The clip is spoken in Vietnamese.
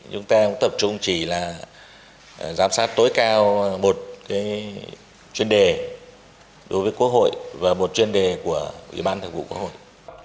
chúng ta cũng tập trung chỉ là giám sát tối cao một chuyên đề đối với quốc hội và một chuyên đề của ủy ban thượng vụ quốc hội